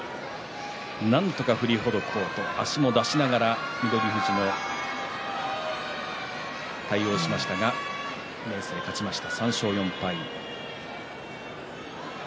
なんとか、振りほどこうと翠富士、足も出しながら対応しましたが明生が勝ちました。